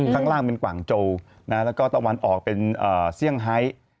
ข้างล่างเป็นกว่างโจแล้วก็ตะวันออกเป็นเซี่ยงไฮ